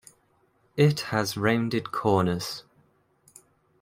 It has rounded corners.